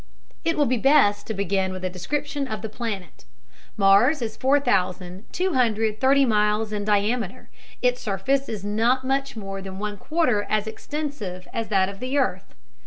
It will be best to begin with a description of the planet. Mars is 4230 miles in diameter; its surface is not much more than one quarter as extensive as that of the earth